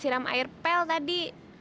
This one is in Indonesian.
siram air pel tadi